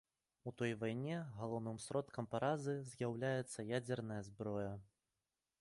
У такой вайне галоўным сродкам паразы з'яўляецца ядзерная зброя.